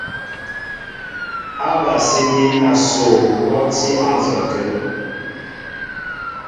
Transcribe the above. Ábasíní asoo bɔ́ á tí á nzɔkə̂.